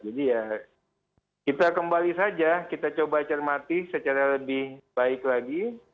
ya kita kembali saja kita coba cermati secara lebih baik lagi